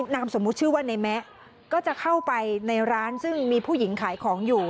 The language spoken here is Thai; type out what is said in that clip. นามสมมุติชื่อว่าในแมะก็จะเข้าไปในร้านซึ่งมีผู้หญิงขายของอยู่